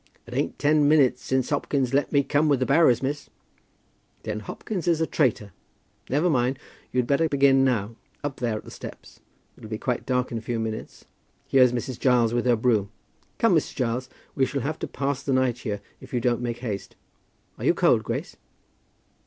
"It ain't ten minutes since Hopkins let me come with the barrows, miss." "Then Hopkins is a traitor. Never mind. You'd better begin now, up there at the steps. It'll be quite dark in a few minutes. Here's Mrs. Giles with her broom. Come, Mrs. Giles; we shall have to pass the night here if you don't make haste. Are you cold, Grace?"